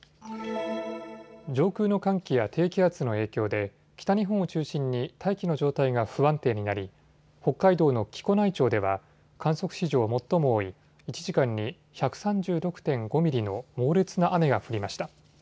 上空の寒気や低気圧の影響で北日本を中心に大気の状態が不安定になり北海道の木古内町では観測史上最も多い１時間に１３６．５ミリの猛烈な雨が降りました。